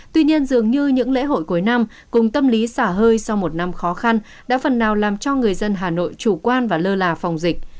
tuy nhiên dường như những lễ hội cuối năm cùng tâm lý xả hơi sau một năm khó khăn đã phần nào làm cho người dân hà nội chủ quan và lơ là phòng dịch